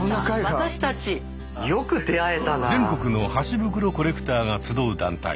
全国の箸袋コレクターが集う団体。